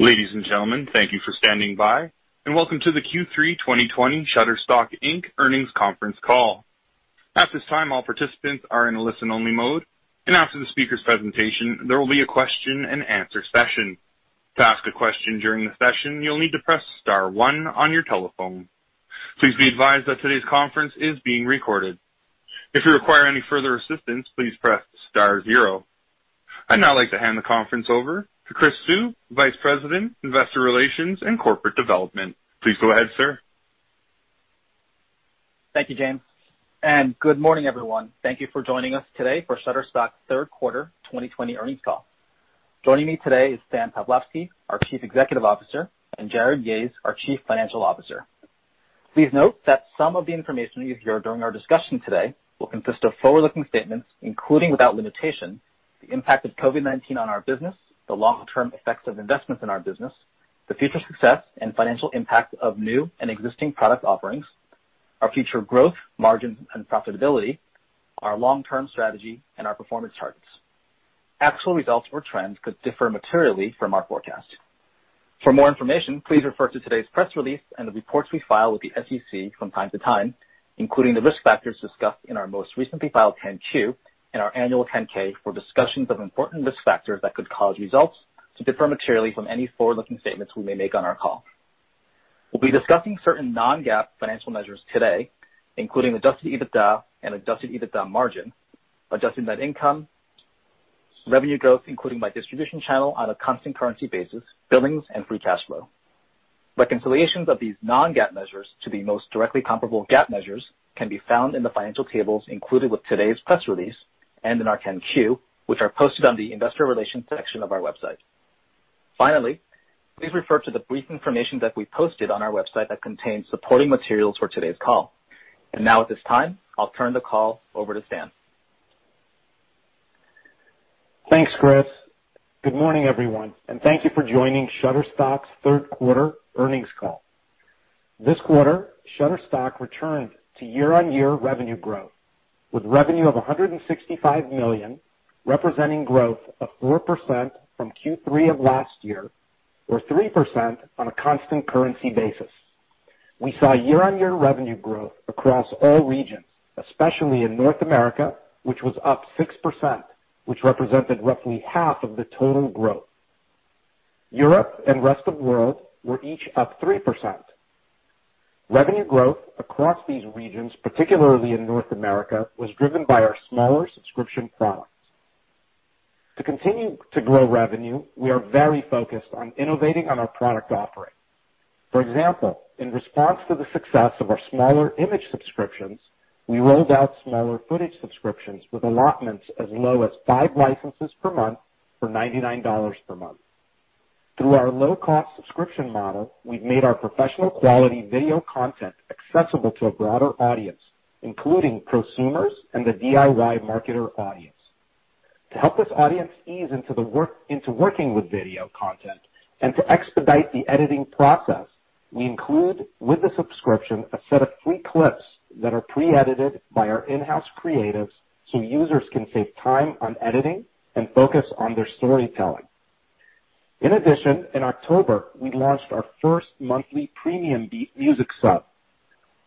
Ladies and gentlemen, thank you for standing by, and welcome to the Q3 2020 Shutterstock Inc. earnings conference call. At this time, all participants are in a listen-only mode, and after the speaker's presentation, there will be a question-and-answer session. To ask a question during the session you'll need to press star one on your telephone. Please be advised that today's conference is being recorded. If you require any further assistance please press star zero. I'd now like to hand the conference over to Chris Suh, Vice President, Investor Relations and Corporate Development. Please go ahead, sir. Thank you, James. Good morning, everyone. Thank you for joining us today for Shutterstock's third quarter 2020 earnings call. Joining me today is Stan Pavlovsky, our Chief Executive Officer and Jarrod Yahes, our Chief Financial Officer. Please note that some of the information you hear during our discussion today will consist of forward-looking statements, including, without limitation, the impact of COVID-19 on our business, the long-term effects of investments in our business, the future success and financial impact of new and existing product offerings, our future growth, margins and profitability, our long-term strategy, and our performance targets. Actual results or trends could differ materially from our forecast. For more information, please refer to today's press release and the reports we file with the SEC from time-to-time, including the risk factors discussed in our most recently filed 10-Q and our annual 10-K for discussions of important risk factors that could cause results to differ materially from any forward-looking statements we may make on our call. We'll be discussing certain non-GAAP financial measures today, including adjusted EBITDA and adjusted EBITDA margin, adjusted net income, revenue growth including by distribution channel on a constant currency basis, billings, and free cash flow. Reconciliations of these non-GAAP measures to the most directly comparable GAAP measures can be found in the financial tables included with today's press release, and in our 10-Q, which are posted on the Investor Relations section of our website. Finally, please refer to the brief information that we posted on our website that contains supporting materials for today's call. Now at this time, I'll turn the call over to Stan. Thanks, Chris. Good morning, everyone. Thank you for joining Shutterstock's third quarter earnings call. This quarter, Shutterstock returned to year-on-year revenue growth, with revenue of $165 million, representing growth of 4% from Q3 of last year, or 3% on a constant currency basis. We saw year-on-year revenue growth across all regions, especially in North America, which was up 6%, which represented roughly half of the total growth. Europe and rest of world were each up 3%. Revenue growth across these regions, particularly in North America, was driven by our smaller subscription products. To continue to grow revenue, we are very focused on innovating on our product offerings. For example, in response to the success of our smaller image subscriptions, we rolled out smaller footage subscriptions with allotments as low as five licenses per month for $99 per month. Through our low-cost subscription model, we've made our professional quality video content accessible to a broader audience, including prosumers and the DIY marketer audience. To help this audience ease into working with video content and to expedite the editing process, we include with the subscription, a set of free clips that are pre-edited by our in-house creatives so users can save time on editing and focus on their storytelling. In addition in October, we launched our first monthly PremiumBeat music sub,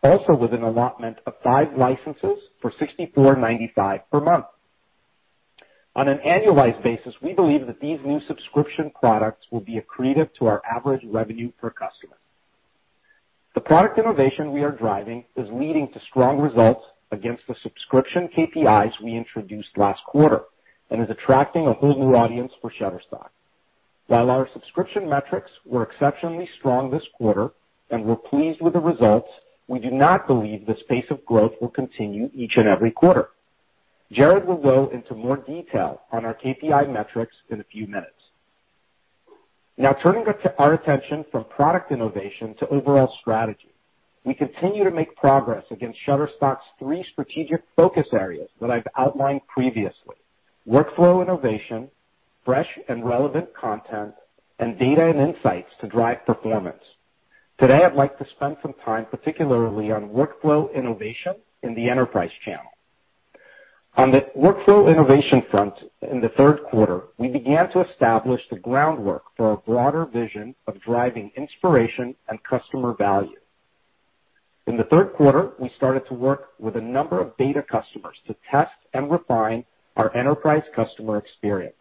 also with an allotment of five licenses for $64.95 per month. On an annualized basis, we believe that these new subscription products will be accretive to our average revenue per customer. The product innovation we are driving is leading to strong results against the subscription KPIs we introduced last quarter and is attracting a whole new audience for Shutterstock. While our subscription metrics were exceptionally strong this quarter, and we're pleased with the results, we do not believe this pace of growth will continue each and every quarter. Jarrod will go into more detail on our KPI metrics in a few minutes. Turning our attention from product innovation to overall strategy. We continue to make progress against Shutterstock's three strategic focus areas that I've outlined previously. Workflow innovation, fresh and relevant content, and data and insights to drive performance. Today, I'd like to spend some time particularly on Workflow innovation in the enterprise channel. On the Workflow innovation front in the third quarter, we began to establish the groundwork for our broader vision of driving inspiration and customer value. In the third quarter, we started to work with a number of beta customers to test and refine our enterprise customer experience.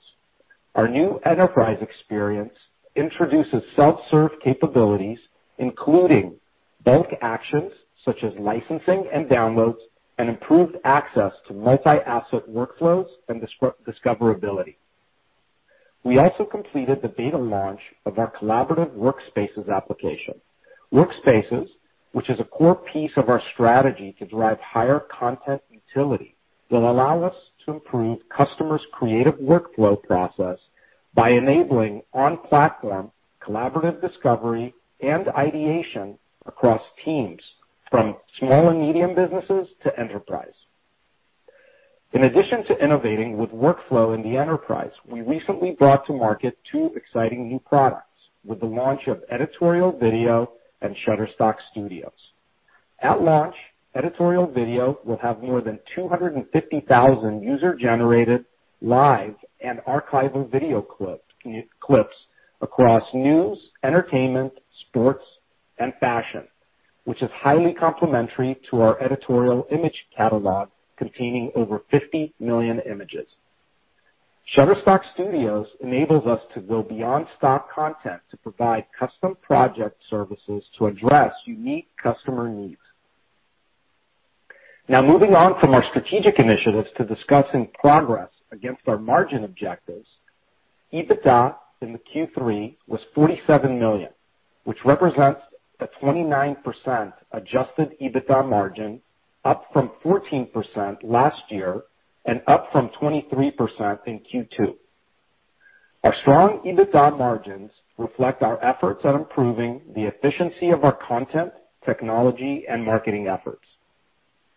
Our new enterprise experience introduces self-serve capabilities, including bulk actions such as licensing and downloads, and improved access to multi-asset workflows and discoverability. We also completed the beta launch of our collaborative Workspaces application. Workspaces, which is a core piece of our strategy to drive higher content utility, will allow us to improve customers' creative workflow process by enabling on-platform collaborative discovery and ideation across teams from small and medium businesses to enterprise. In addition to innovating with workflow in the enterprise, we recently brought to market two exciting new products with the launch of Editorial Video and Shutterstock Studios. At launch, Editorial Video will have more than 250,000 user-generated live and archival video clips across news, entertainment, sports, and fashion, which is highly complementary to our editorial image catalog containing over 50 million images. Shutterstock Studios enables us to go beyond stock content to provide custom project services to address unique customer needs. Now, moving on from our strategic initiatives to discussing progress against our margin objectives. EBITDA in the Q3 was $47 million, which represents a 29% adjusted EBITDA margin, up from 14% last year and up from 23% in Q2. Our strong EBITDA margins reflect our efforts on improving the efficiency of our content, technology, and marketing efforts.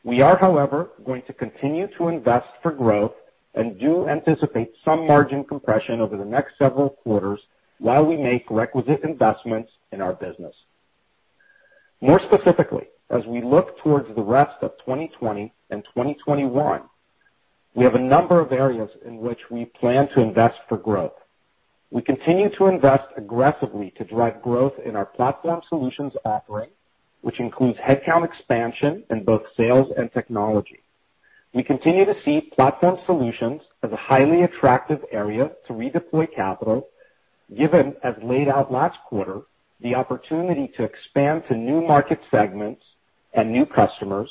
We are, however, going to continue to invest for growth and do anticipate some margin compression over the next several quarters while we make requisite investments in our business. More specifically, as we look towards the rest of 2020 and 2021, we have a number of areas in which we plan to invest for growth. We continue to invest aggressively to drive growth in our platform solutions offering, which includes headcount expansion in both sales and technology. We continue to see platform solutions as a highly attractive area to redeploy capital, given, as laid out last quarter, the opportunity to expand to new market segments and new customers,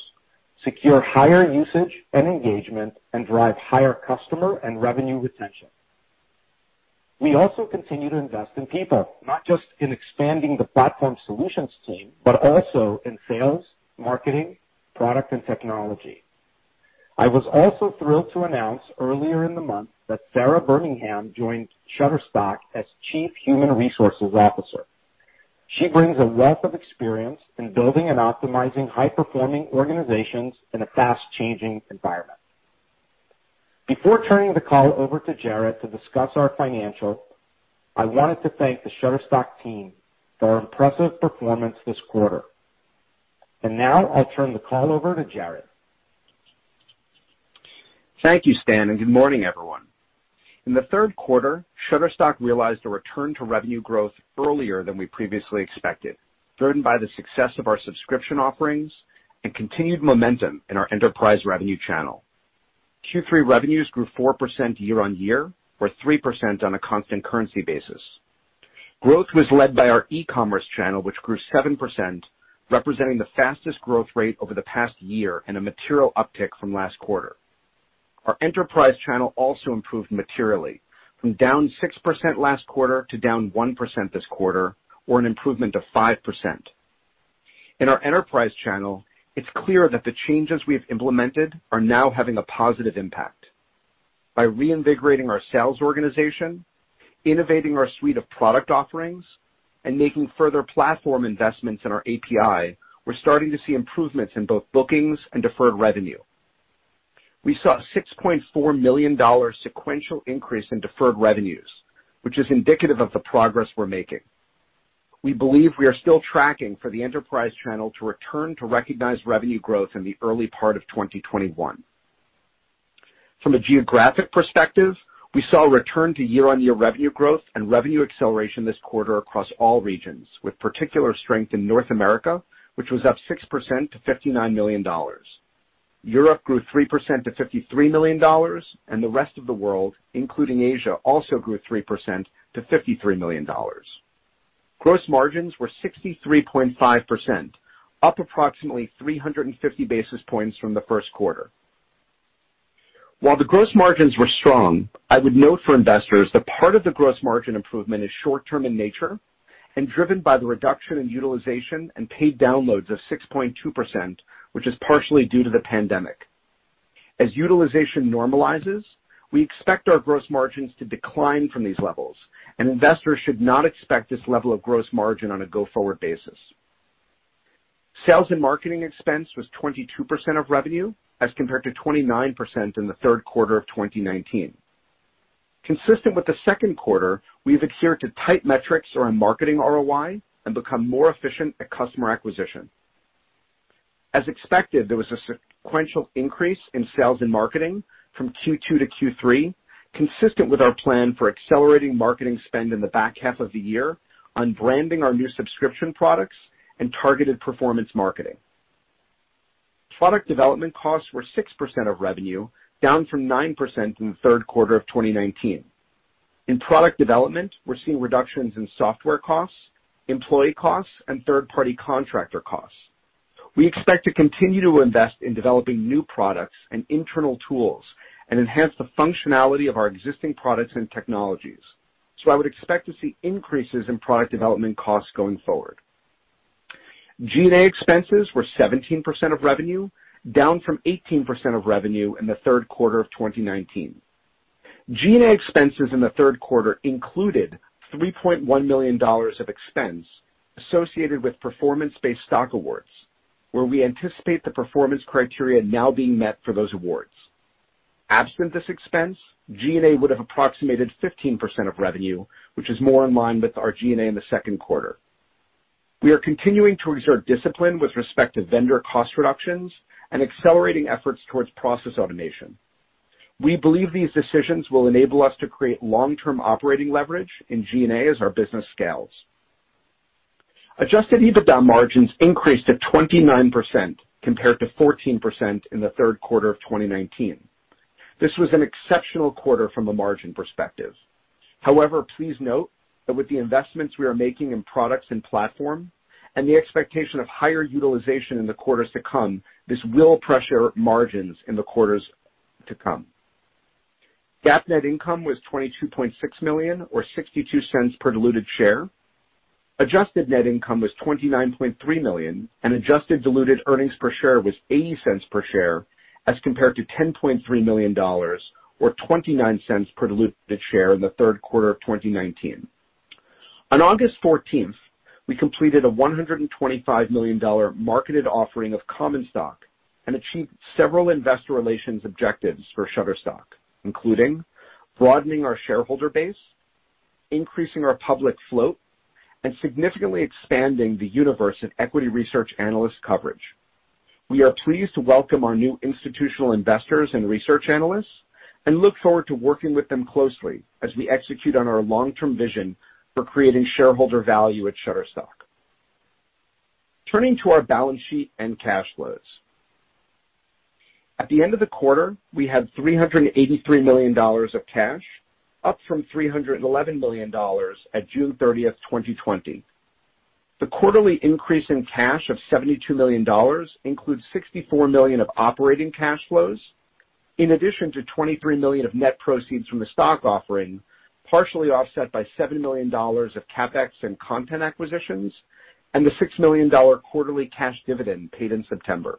secure higher usage and engagement, and drive higher customer and revenue retention. We also continue to invest in people, not just in expanding the platform solutions team, but also in sales, marketing, product, and technology. I was also thrilled to announce earlier in the month that Sara Birmingham joined Shutterstock as Chief Human Resources Officer. She brings a wealth of experience in building and optimizing high-performing organizations in a fast-changing environment. Before turning the call over to Jarrod to discuss our financials, I wanted to thank the Shutterstock team for their impressive performance this quarter. Now I'll turn the call over to Jarrod. Thank you, Stan. Good morning, everyone. In the third quarter, Shutterstock realized a return to revenue growth earlier than we previously expected, driven by the success of our subscription offerings and continued momentum in our enterprise revenue channel. Q3 revenues grew 4% year-on-year, or 3% on a constant currency basis. Growth was led by our e-commerce channel, which grew 7%, representing the fastest growth rate over the past year and a material uptick from last quarter. Our enterprise channel also improved materially, from down 6% last quarter to down 1% this quarter, or an improvement of 5%. In our enterprise channel, it's clear that the changes we have implemented are now having a positive impact. By reinvigorating our sales organization, innovating our suite of product offerings, and making further platform investments in our API, we're starting to see improvements in both bookings and deferred revenue. We saw a $6.4 million sequential increase in deferred revenues, which is indicative of the progress we're making. We believe we are still tracking for the enterprise channel to return to recognized revenue growth in the early part of 2021. From a geographic perspective, we saw a return to year-over-year revenue growth and revenue acceleration this quarter across all regions, with particular strength in North America, which was up 6% to $59 million. Europe grew 3% to $53 million, and the rest of the world, including Asia, also grew 3% to $53 million. Gross margins were 63.5%, up approximately 350 basis points from the first quarter. While the gross margins were strong, I would note for investors that part of the gross margin improvement is short-term in nature and driven by the reduction in utilization and paid downloads of 6.2%, which is partially due to the pandemic. As utilization normalizes, we expect our gross margins to decline from these levels, and investors should not expect this level of gross margin on a go-forward basis. Sales and marketing expense was 22% of revenue as compared to 29% in the third quarter of 2019. Consistent with the second quarter, we've adhered to tight metrics on our marketing ROI and become more efficient at customer acquisition. As expected, there was a sequential increase in sales and marketing from Q2 to Q3, consistent with our plan for accelerating marketing spend in the back half of the year on branding our new subscription products and targeted performance marketing. Product development costs were 6% of revenue, down from 9% in the third quarter of 2019. In product development, we're seeing reductions in software costs, employee costs, and third-party contractor costs. We expect to continue to invest in developing new products and internal tools and enhance the functionality of our existing products and technologies. I would expect to see increases in product development costs going forward. G&A expenses were 17% of revenue, down from 18% of revenue in the third quarter of 2019. G&A expenses in the third quarter included $3.1 million of expense associated with performance-based stock awards, where we anticipate the performance criteria now being met for those awards. Absent this expense, G&A would have approximated 15% of revenue, which is more in line with our G&A in the second quarter. We are continuing to exert discipline with respect to vendor cost reductions and accelerating efforts towards process automation. We believe these decisions will enable us to create long-term operating leverage in G&A as our business scales. Adjusted EBITDA margins increased to 29%, compared to 14% in the third quarter of 2019. This was an exceptional quarter from a margin perspective. However, please note that with the investments we are making in products and platform and the expectation of higher utilization in the quarters to come, this will pressure margins in the quarters to come. GAAP net income was $22.6 million, or $0.62 per diluted share. Adjusted net income was $29.3 million, and adjusted diluted earnings per share was $0.80 per share as compared to $10.3 million or $0.29 per diluted share in the third quarter of 2019. On August 14th, we completed a $125 million marketed offering of common stock and achieved several investor relations objectives for Shutterstock, including broadening our shareholder base, increasing our public float, and significantly expanding the universe of equity research analyst coverage. We are pleased to welcome our new institutional investors and research analysts and look forward to working with them closely as we execute on our long-term vision for creating shareholder value at Shutterstock. Turning to our balance sheet and cash flows. At the end of the quarter, we had $383 million of cash, up from $311 million at June 30th, 2020. The quarterly increase in cash of $72 million includes $64 million of operating cash flows, in addition to $23 million of net proceeds from the stock offering, partially offset by $7 million of CapEx and content acquisitions and the $6 million quarterly cash dividend paid in September.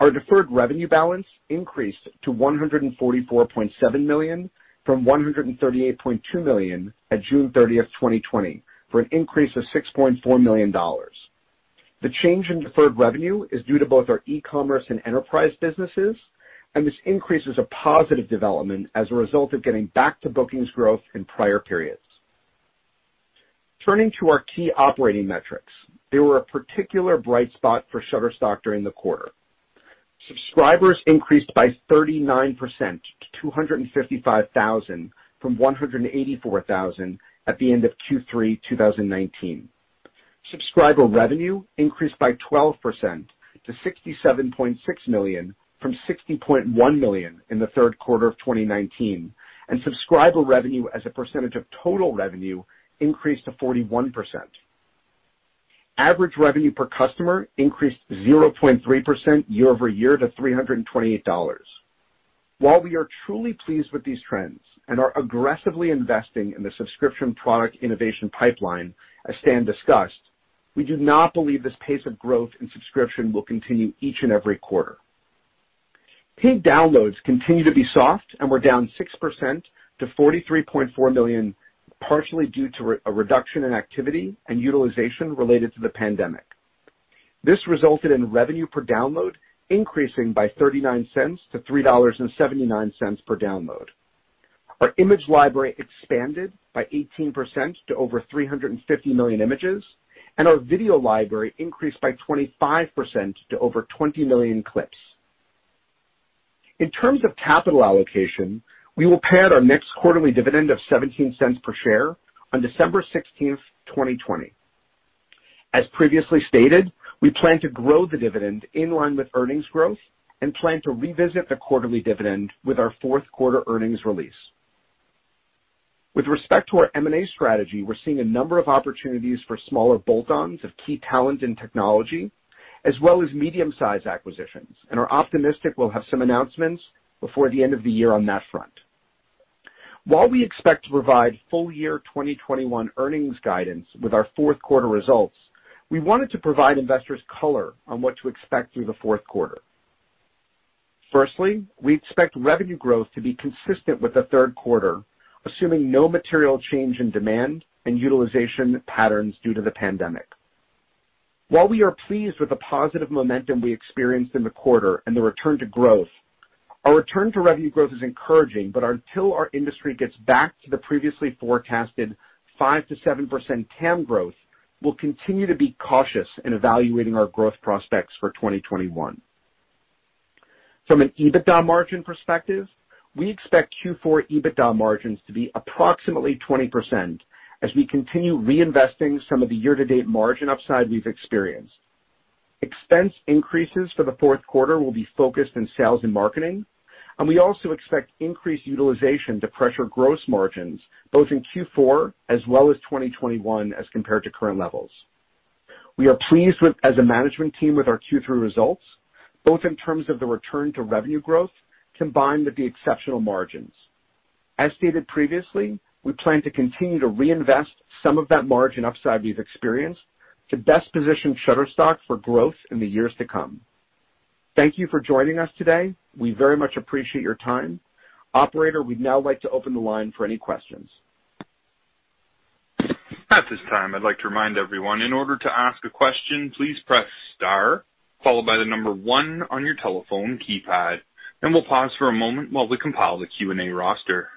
Our deferred revenue balance increased to $144.7 million from $138.2 million at June 30th, 2020, for an increase of $6.4 million. The change in deferred revenue is due to both our e-commerce and enterprise businesses, and this increase is a positive development as a result of getting back to bookings growth in prior periods. Turning to our key operating metrics. They were a particular bright spot for Shutterstock during the quarter. Subscribers increased by 39% to 255,000 from 184,000 at the end of Q3 2019. Subscriber revenue increased by 12% to $67.6 million from $60.1 million in the third quarter of 2019, and subscriber revenue as a percentage of total revenue increased to 41%. Average revenue per customer increased 0.3% year-over-year to $328. While we are truly pleased with these trends and are aggressively investing in the subscription product innovation pipeline, as Stan discussed, we do not believe this pace of growth in subscription will continue each and every quarter. Paid downloads continue to be soft and were down 6% to 43.4 million, partially due to a reduction in activity and utilization related to the pandemic. This resulted in revenue per download increasing by $0.39 to $3.79 per download. Our image library expanded by 18% to over 350 million images, and our video library increased by 25% to over 20 million clips. In terms of capital allocation, we will pay out our next quarterly dividend of $0.17 per share on December 16th, 2020. As previously stated, we plan to grow the dividend in line with earnings growth and plan to revisit the quarterly dividend with our fourth quarter earnings release. With respect to our M&A strategy, we're seeing a number of opportunities for smaller bolt-ons of key talent and technology, as well as medium-size acquisitions, and are optimistic we'll have some announcements before the end of the year on that front. While we expect to provide full year 2021 earnings guidance with our fourth quarter results, we wanted to provide investors color on what to expect through the fourth quarter. Firstly, we expect revenue growth to be consistent with the third quarter, assuming no material change in demand and utilization patterns due to the pandemic. While we are pleased with the positive momentum we experienced in the quarter and the return to growth, our return to revenue growth is encouraging, but until our industry gets back to the previously forecasted 5%-7% TAM growth, we'll continue to be cautious in evaluating our growth prospects for 2021. From an EBITDA margin perspective, we expect Q4 EBITDA margins to be approximately 20% as we continue reinvesting some of the year-to-date margin upside we've experienced. Expense increases for the fourth quarter will be focused in sales and marketing, we also expect increased utilization to pressure gross margins both in Q4 as well as 2021 as compared to current levels. We are pleased as a management team with our Q3 results, both in terms of the return to revenue growth combined with the exceptional margins. As stated previously, we plan to continue to reinvest some of that margin upside we've experienced to best position Shutterstock for growth in the years to come. Thank you for joining us today. We very much appreciate your time. Operator, we'd now like to open the line for any questions. At this time, I'd like to remind everyone, in order to ask a question, please press star followed by the number one on your telephone keypad, and we'll pause for a moment while we compile the Q&A roster.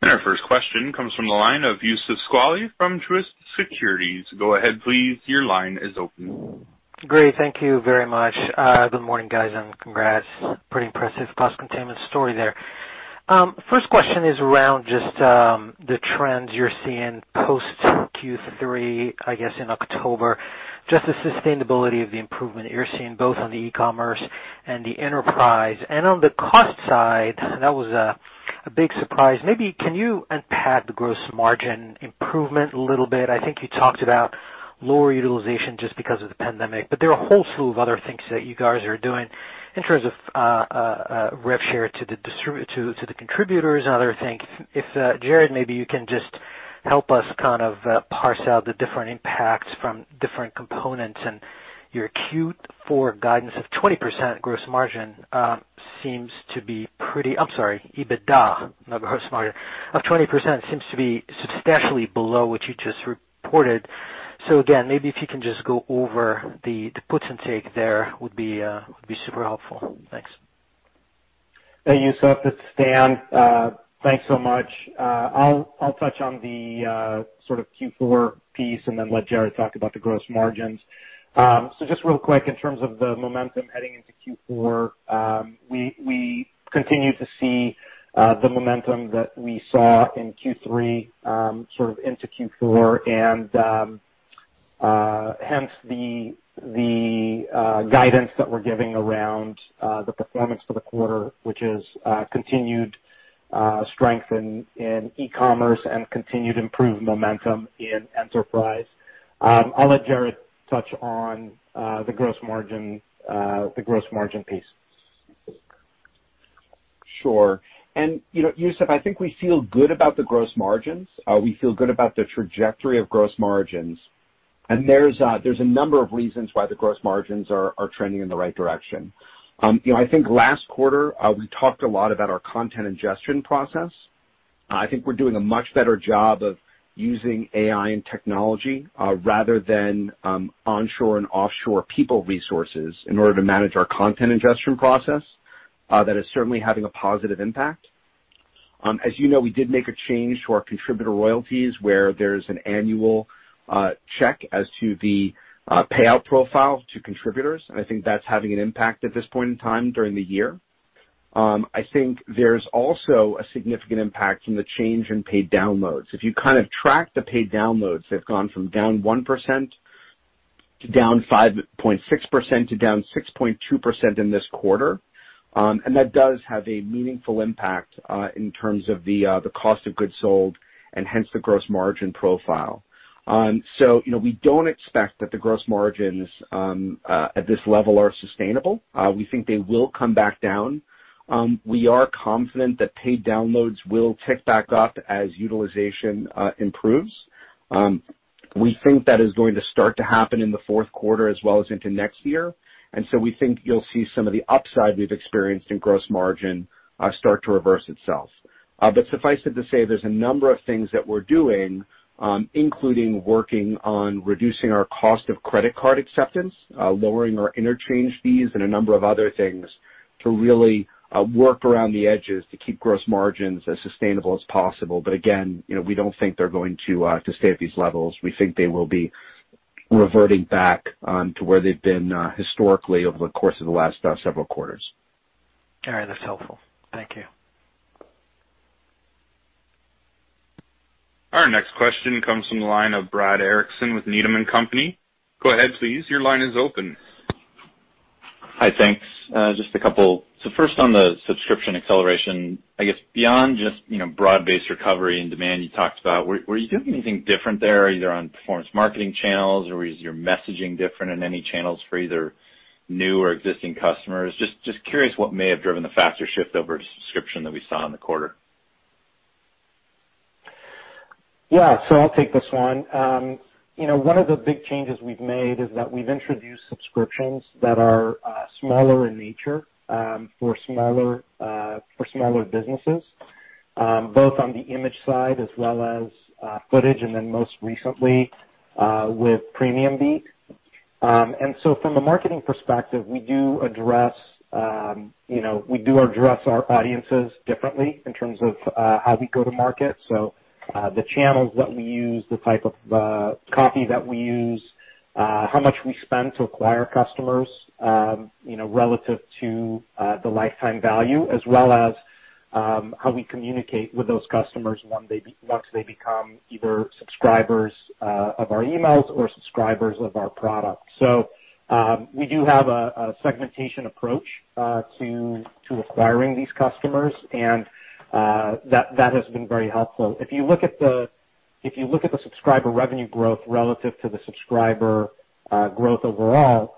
Our first question comes from the line of Youssef Squali from Truist Securities. Go ahead, please. Great. Thank you very much. Good morning, guys, and congrats. Pretty impressive cost containment story there. First question is around just the trends you're seeing post-Q3, I guess, in October. Just the sustainability of the improvement you're seeing both on the e-commerce and the enterprise. On the cost side, that was a big surprise. Maybe can you unpack the gross margin improvement a little bit? I think you talked about lower utilization just because of the pandemic, but there are a whole slew of other things that you guys are doing in terms of rev share to the contributors and other things. If, Jarrod, maybe you can just help us kind of parse out the different impacts from different components and your Q4 guidance of 20% gross margin seems to be pretty I'm sorry, EBITDA, not gross margin, of 20% seems to be substantially below what you just reported. Again, maybe if you can just go over the puts and takes there would be super helpful. Thanks. Hey, Youssef. It's Stan. Thanks so much. I'll touch on the sort of Q4 piece and then let Jarrod talk about the gross margins. Just real quick, in terms of the momentum heading into Q4, we continue to see the momentum that we saw in Q3 sort of into Q4, and hence the guidance that we're giving around the performance for the quarter, which is continued strength in e-commerce and continued improved momentum in enterprise. I'll let Jarrod touch on the gross margin piece. Sure. Youssef, I think we feel good about the gross margins. We feel good about the trajectory of gross margins. There's a number of reasons why the gross margins are trending in the right direction. I think last quarter, we talked a lot about our content ingestion process. I think we're doing a much better job of using AI and technology rather than onshore and offshore people resources in order to manage our content ingestion process. That is certainly having a positive impact. As you know, we did make a change to our contributor royalties, where there's an annual check as to the payout profile to contributors, and I think that's having an impact at this point in time during the year. I think there's also a significant impact from the change in paid downloads. If you kind of track the paid downloads, they've gone from down 1% to down 5.6% to down 6.2% in this quarter. That does have a meaningful impact in terms of the cost of goods sold and hence the gross margin profile. We don't expect that the gross margins at this level are sustainable. We think they will come back down. We are confident that paid downloads will tick back up as utilization improves. We think that is going to start to happen in the fourth quarter as well as into next year, and so we think you'll see some of the upside we've experienced in gross margin start to reverse itself. Suffice it to say, there's a number of things that we're doing, including working on reducing our cost of credit card acceptance, lowering our interchange fees, and a number of other things to really work around the edges to keep gross margins as sustainable as possible. Again, we don't think they're going to stay at these levels. We think they will be reverting back to where they've been historically over the course of the last several quarters. All right. That's helpful. Thank you. Our next question comes from the line of Brad Erickson with Needham & Company. Go ahead, please. Hi. Thanks. Just a couple. First on the subscription acceleration, I guess beyond just broad-based recovery and demand you talked about, were you doing anything different there, either on performance marketing channels or is your messaging different in any channels for either new or existing customers? Just curious what may have driven the faster shift over to subscription that we saw in the quarter. Yeah. I'll take this one. One of the big changes we've made is that we've introduced subscriptions that are smaller in nature for smaller businesses, both on the image side as well as footage, and then most recently with PremiumBeat. From a marketing perspective, we do address our audiences differently in terms of how we go to market. The channels that we use, the type of copy that we use, how much we spend to acquire customers relative to the lifetime value, as well as how we communicate with those customers once they become either subscribers of our emails or subscribers of our product. We do have a segmentation approach to acquiring these customers, and that has been very helpful. If you look at the subscriber revenue growth relative to the subscriber growth overall,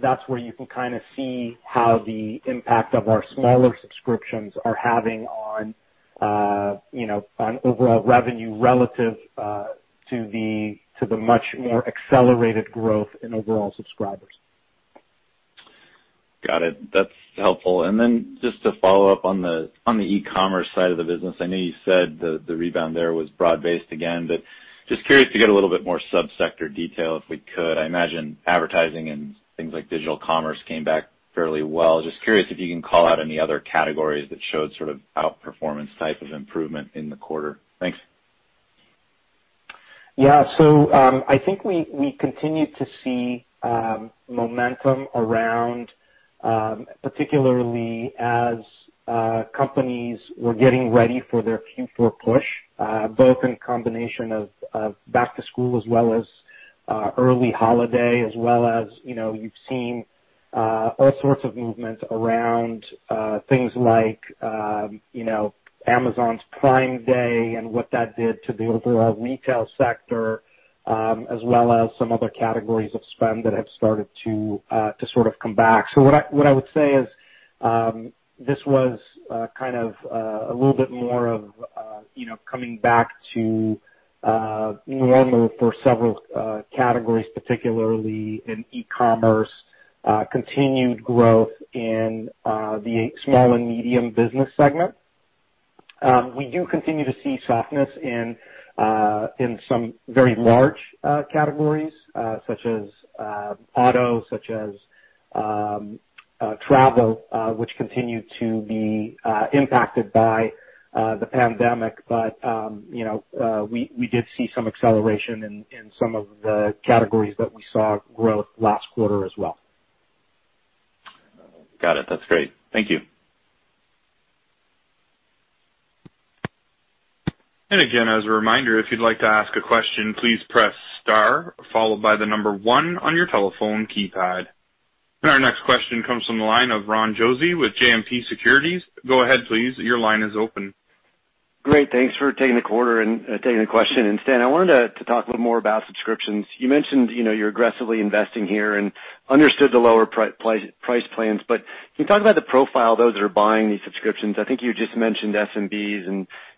that's where you can kind of see how the impact of our smaller subscriptions are having on overall revenue relative to the much more accelerated growth in overall subscribers. Got it. That's helpful. Then just to follow up on the e-commerce side of the business, I know you said the rebound there was broad-based again, but just curious to get a little bit more sub-sector detail if we could. I imagine advertising and things like digital commerce came back fairly well. Just curious if you can call out any other categories that showed sort of outperformance type of improvement in the quarter. Thanks. Yeah. I think we continued to see momentum around, particularly as companies were getting ready for their Q4 push, both in combination of back to school as well as early holiday, as well as you've seen all sorts of movement around things like Amazon's Prime Day and what that did to the overall retail sector, as well as some other categories of spend that have started to sort of come back. What I would say is, this was kind of a little bit more of coming back to normal for several categories, particularly in e-commerce, continued growth in the small and medium business segment. We do continue to see softness in some very large categories, such as auto, such as travel, which continue to be impacted by the pandemic. We did see some acceleration in some of the categories that we saw growth last quarter as well. Got it. That's great. Thank you. Again, as a reminder, if you'd like to ask a question, please press star, followed by the number one on your telephone keypad. Our next question comes from the line of Ron Josey with JMP Securities. Go ahead, please. Your line is open. Great. Thanks for taking the call and taking the question. Stan, I wanted to talk a little more about subscriptions. You mentioned you're aggressively investing here and understood the lower price plans, but can you talk about the profile of those that are buying these subscriptions? I think you just mentioned SMBs and whatnot,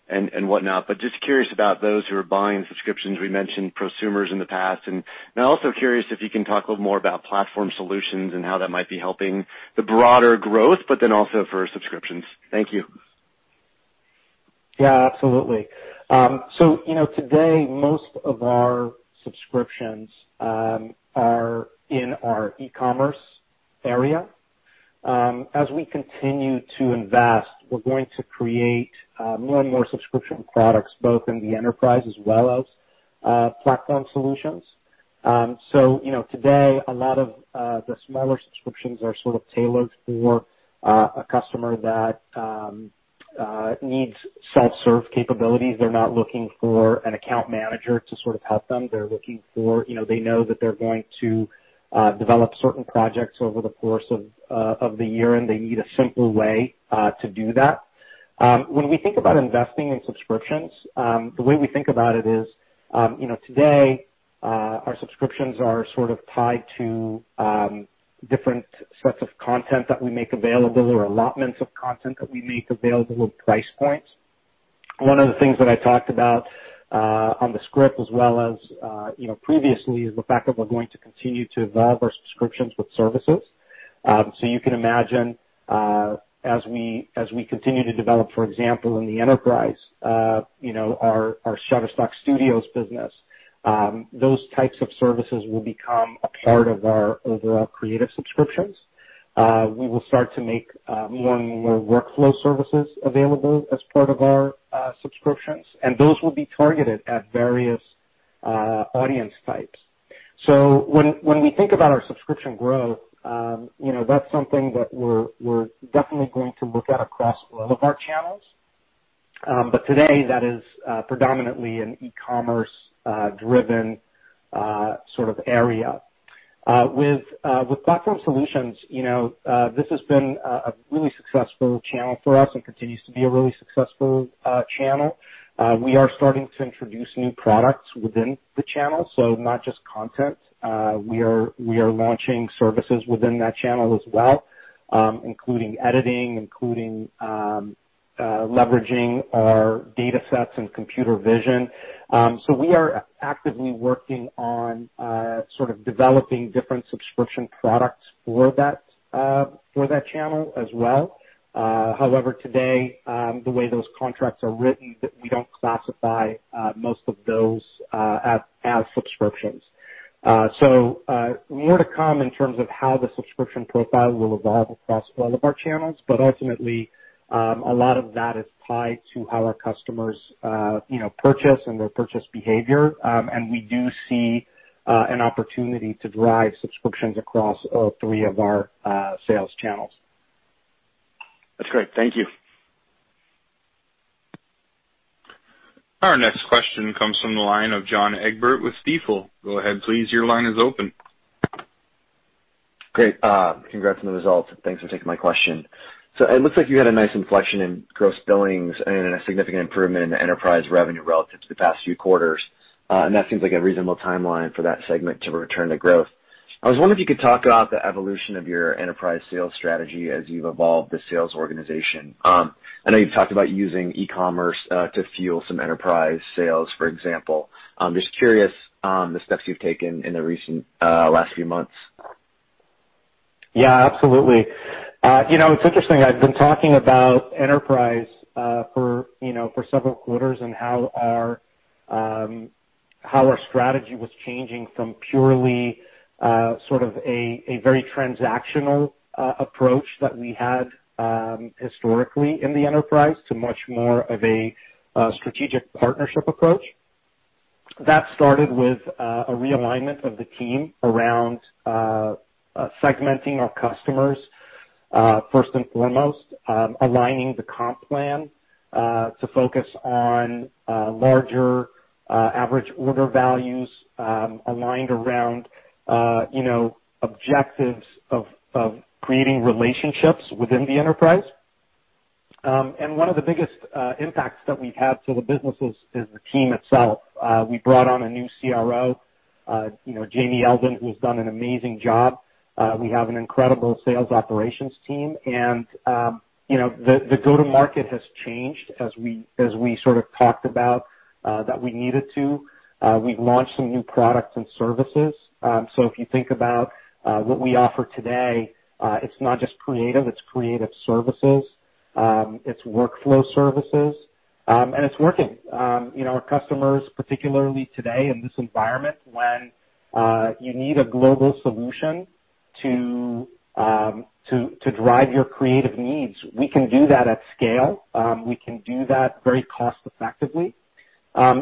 but just curious about those who are buying subscriptions. We mentioned prosumers in the past, and I'm also curious if you can talk a little more about platform solutions and how that might be helping the broader growth, but then also for subscriptions. Thank you. Yeah, absolutely. Today, most of our subscriptions are in our e-commerce area. As we continue to invest, we're going to create more and more subscription products, both in the enterprise as well as platform solutions. Today, a lot of the smaller subscriptions are sort of tailored for a customer that needs self-serve capabilities. They're not looking for an account manager to sort of help them. They know that they're going to develop certain projects over the course of the year, and they need a simple way to do that. When we think about investing in subscriptions, the way we think about it is, today, our subscriptions are sort of tied to different sets of content that we make available or allotments of content that we make available at price points. One of the things that I talked about on the script, as well as previously, is the fact that we're going to continue to evolve our subscriptions with services. You can imagine, as we continue to develop, for example, in the enterprise our Shutterstock Studios business. Those types of services will become a part of our overall creative subscriptions. We will start to make more and more workflow services available as part of our subscriptions, and those will be targeted at various audience types. When we think about our subscription growth, that's something that we're definitely going to look at across all of our channels. Today, that is predominantly an e-commerce-driven sort of area. With platform solutions, this has been a really successful channel for us and continues to be a really successful channel. We are starting to introduce new products within the channel, so not just content. We are launching services within that channel as well, including editing, including leveraging our datasets and computer vision. We are actively working on sort of developing different subscription products for that channel as well. However, today, the way those contracts are written, we don't classify most of those as subscriptions. More to come in terms of how the subscription profile will evolve across all of our channels, but ultimately, a lot of that is tied to how our customers purchase and their purchase behavior. We do see an opportunity to drive subscriptions across all three of our sales channels. That's great. Thank you. Our next question comes from the line of John Egbert with Stifel. Go ahead, please. Your line is open. Great. Congrats on the results. Thanks for taking my question. It looks like you had a nice inflection in gross billings and a significant improvement in the enterprise revenue relative to the past few quarters. That seems like a reasonable timeline for that segment to return to growth. I was wondering if you could talk about the evolution of your enterprise sales strategy as you've evolved the sales organization. I know you've talked about using e-commerce to fuel some enterprise sales, for example. I'm just curious on the steps you've taken in the recent last few months. Yeah, absolutely. It's interesting, I've been talking about enterprise for several quarters and how our strategy was changing from purely sort of a very transactional approach that we had historically in the enterprise to much more of a strategic partnership approach. That started with a realignment of the team around segmenting our customers. First and foremost, aligning the comp plan to focus on larger average order values aligned around objectives of creating relationships within the enterprise. One of the biggest impacts that we've had to the business is the team itself. We brought on a new CRO, Jamie Elden, who's done an amazing job. We have an incredible sales operations team, and the go-to-market has changed as we sort of talked about that we needed to. We've launched some new products and services. If you think about what we offer today, it's not just creative, it's creative services, it's workflow services, and it's working. Our customers, particularly today in this environment when you need a global solution to drive your creative needs, we can do that at scale. We can do that very cost effectively. Where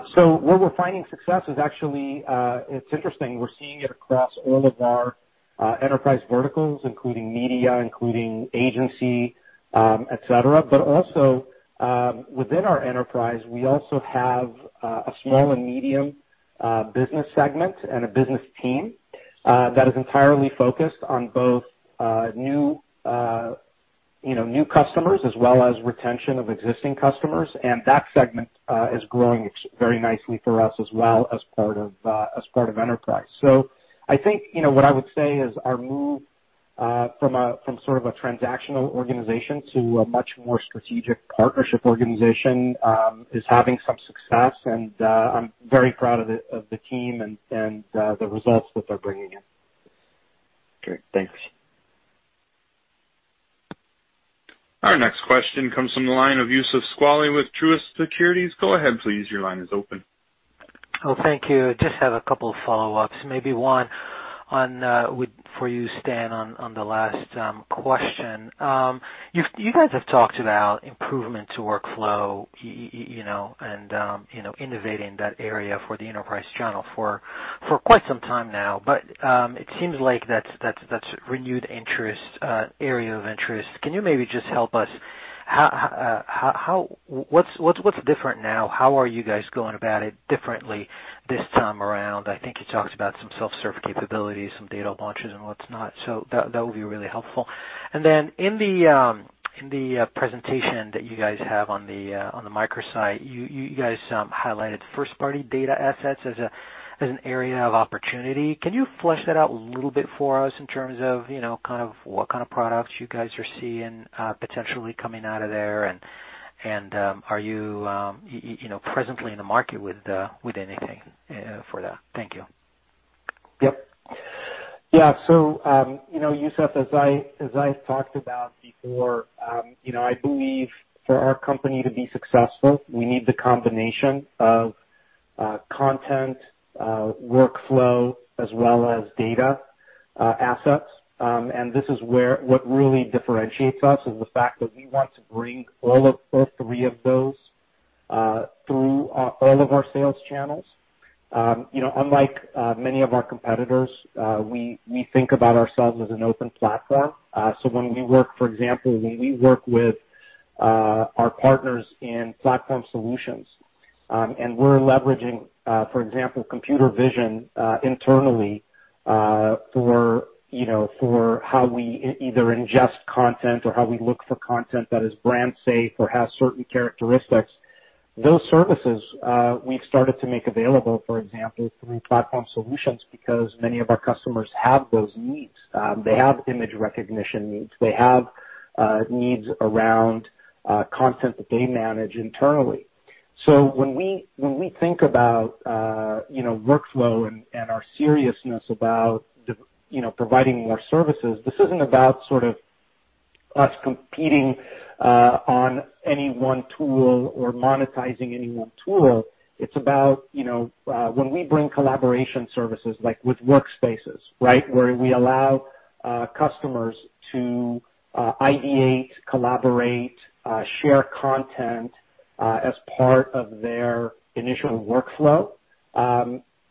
we're finding success is actually, it's interesting, we're seeing it across all of our enterprise verticals, including media, including agency, et cetera. Also within our enterprise, we also have a small and medium business segment and a business team that is entirely focused on both new customers as well as retention of existing customers, and that segment is growing very nicely for us as well as part of enterprise. I think, what I would say is our move from sort of a transactional organization to a much more strategic partnership organization is having some success and I'm very proud of the team and the results that they're bringing in. Great. Thanks. Our next question comes from the line of Youssef Squali with Truist Securities. Go ahead, please. Thank you. Have a couple of follow-ups. Maybe one for you, Stan, on the last question. You guys have talked about improvement to workflow and innovating that area for the enterprise channel for quite some time now. It seems like that's renewed interest, area of interest. Can you maybe just help us, what's different now? How are you guys going about it differently this time around? I think you talked about some self-serve capabilities, some data launches and what's not. That would be really helpful. Then in the presentation that you guys have on the microsite, you guys highlighted first-party data assets as an area of opportunity. Can you flesh that out a little bit for us in terms of what kind of products you guys are seeing potentially coming out of there? Are you presently in the market with anything for that? Thank you. Yep. Yeah. Youssef, as I've talked about before, I believe for our company to be successful, we need the combination of content, workflow, as well as data assets. This is what really differentiates us, is the fact that we want to bring all three of those through all of our sales channels. Unlike many of our competitors, we think about ourselves as an open platform. For example, when we work with our partners in platform solutions and we're leveraging for example, computer vision internally for how we either ingest content or how we look for content that is brand safe or has certain characteristics. Those services we've started to make available, for example, through platform solutions because many of our customers have those needs. They have image recognition needs. They have needs around content that they manage internally. When we think about workflow and our seriousness about providing more services, this isn't about sort of us competing on any one tool or monetizing any one tool. It's about when we bring collaboration services like with Workspaces, right? Where we allow customers to ideate, collaborate, share content as part of their initial workflow.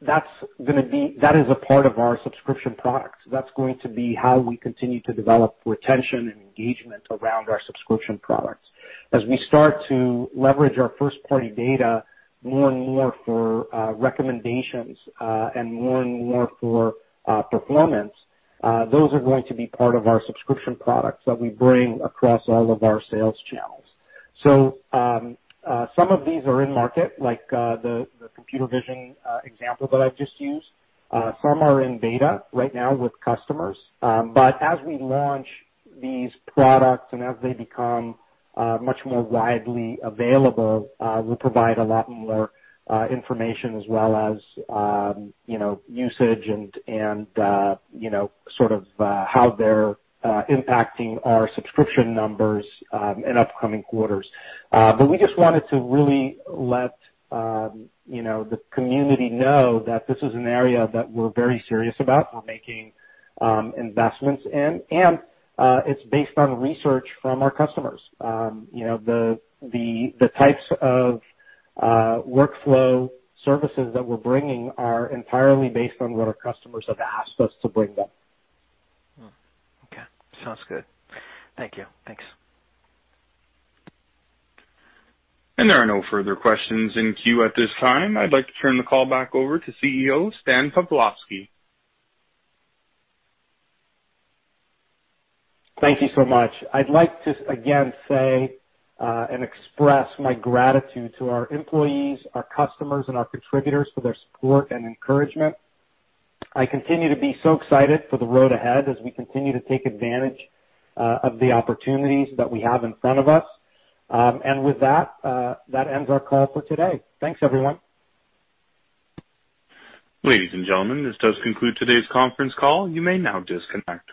That is a part of our subscription products. That's going to be how we continue to develop retention and engagement around our subscription products. As we start to leverage our first-party data more and more for recommendations and more and more for performance, those are going to be part of our subscription products that we bring across all of our sales channels. Some of these are in market, like the computer vision example that I've just used. Some are in beta right now with customers. As we launch these products and as they become much more widely available, we'll provide a lot more information as well as usage and sort of how they're impacting our subscription numbers in upcoming quarters. We just wanted to really let the community know that this is an area that we're very serious about. We're making investments in, and it's based on research from our customers. The types of workflow services that we're bringing are entirely based on what our customers have asked us to bring them. Okay. Sounds good. Thank you. Thanks. There are no further questions in queue at this time. I'd like to turn the call back over to CEO, Stan Pavlovsky. Thank you so much. I’d like to again say and express my gratitude to our employees, our customers and our contributors for their support and encouragement. I continue to be so excited for the road ahead as we continue to take advantage of the opportunities that we have in front of us. With that ends our call for today. Thanks, everyone. Ladies and gentlemen, this does conclude today's conference call. You may now disconnect.